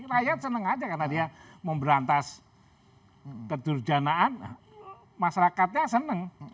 raya seneng aja karena dia memberantas keturjanaan masyarakatnya seneng